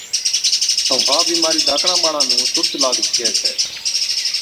ائُون ها بِيمارِي ڌاڪڙان ٻاڙان نُون تُرت لاگ سِگھَي ڇَي۔